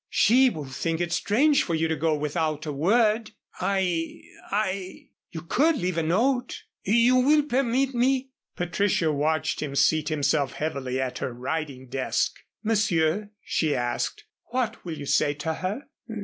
"She will think it strange for you to go without a word." "I I " "You could leave a note." "You will permit me?" Patricia watched him seat himself heavily at her writing desk. "Monsieur," she asked, "what will you say to her?"